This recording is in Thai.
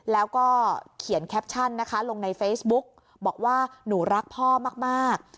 แล้วก็เขียนแคปชั่นนะคะลงในเฟซบุ๊กบอกว่าหนูรักพ่อมาก